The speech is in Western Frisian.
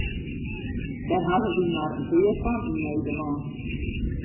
Dêr hawwe wy mar in pear fan yn Nederlân.